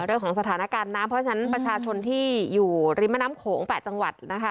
เรื่องของสถานการณ์น้ำเพราะฉะนั้นประชาชนที่อยู่ริมแม่น้ำโขง๘จังหวัดนะคะ